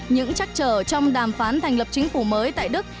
những trắc trở trong đàm phán thành lập chính phủ mới tại đức